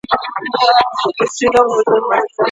ولي هغه خلګ چي بریا ته وږي دي تل نوښتونه کوي؟